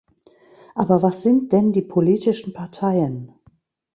Aber was sind denn die politischen Parteien?